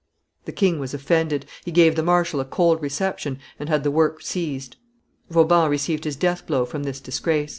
The king was offended; he gave the marshal a cold reception and had the work seized. Vauban received his death blow from this disgrace.